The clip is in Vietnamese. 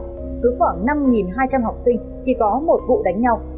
cứ khoảng năm hai trăm linh học sinh thì có một vụ đánh nhau